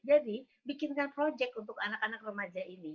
jadi bikinkan project untuk anak anak remaja ini